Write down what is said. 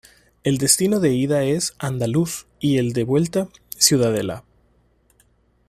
El destino de ida es Andaluz y el de vuelta Ciudadela.